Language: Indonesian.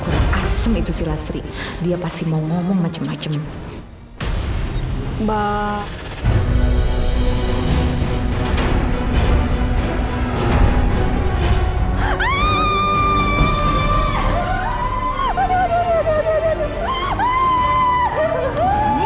yang mengambil suatu rumah mereka yang mengambil balas bahutnya ini